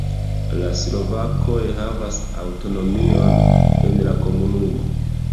La slovakoj havas aŭtonomion en la komunumo.